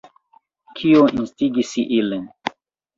Kio instigis ilin?